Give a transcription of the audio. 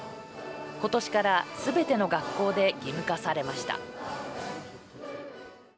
今年からすべての学校で義務化されました。